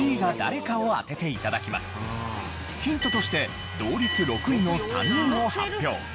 ヒントとして同率６位の３人を発表。